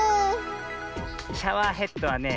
シャワーヘッドはねえ